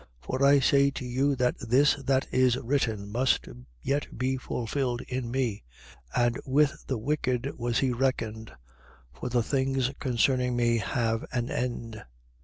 22:37. For I say to you that this that is written must yet be fulfilled in me. And with the wicked was he reckoned. For the things concerning me have an end.